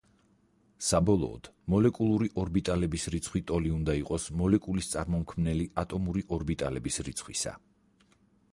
საბოლოოდ, მოლეკულური ორბიტალების რიცხვი ტოლი უნდა იყოს მოლეკულის წარმომქმნელი ატომური ორბიტალების რიცხვისა.